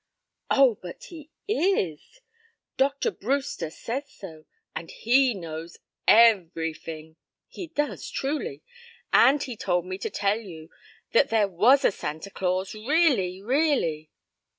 "Oh, but he is. Dr. Brewster says so, and he knows everyfing he does truly and he told me to tell you that there was a Santa Claus, really, really."